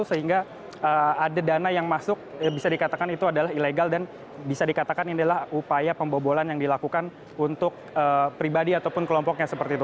sehingga ada dana yang masuk bisa dikatakan itu adalah ilegal dan bisa dikatakan ini adalah upaya pembobolan yang dilakukan untuk pribadi ataupun kelompoknya seperti itu